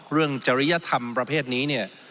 ๒เรื่องจริยธรรมประเภทนี้เนี่ย